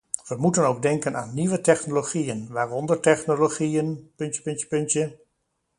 We moeten ook denken aan nieuwe technologieën, waaronder technologieën (...).